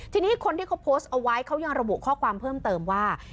ทีนี้คนที่เขาโพสต์เอาไว้เขายังระบุข้อความเพิ่มเติมว่า